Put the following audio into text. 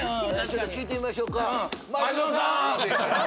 「聞いてみましょうか？」